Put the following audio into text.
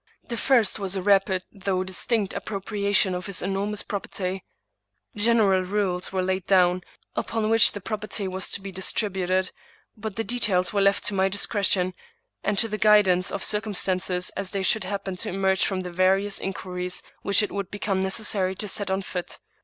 The first was a rapid though distinct appropriation of his enormous prop erty. General rules were laid down, upon which the property was to be distributed, but the details were left to my discretion, and to the guidance of circumstances as they should happen to emerge from the various inquiries which it would become necessary to set on foot.